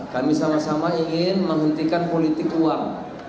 kami sama sama ingin menghentikan politik uang